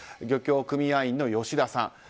漁協組合員の吉田さん。